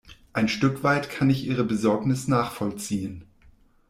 Ein Stück weit kann ich ihre Besorgnis nachvollziehen.